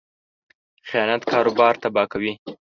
خیانت کاروبار تباه کوي.